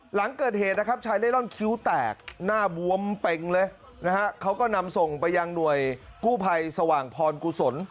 หลังเกิดเหตุนะครับชายเล่ร่อนคิ้วแตกหน้าบวมเป็งเลยนะฮะเขาก็นำส่งไปยังหน่วยกู้ภัยสว่างพรกุศล